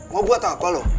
mau buat apa lo